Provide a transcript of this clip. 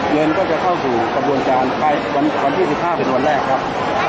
เงินก็จะเข้าสู่กระบวนการไปวันที่๑๕เป็นวันแรกครับ